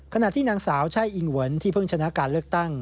ขณะที่นางสาวใช่อิงเวิร์นที่เพิ่งชนะการเลือกตั้ง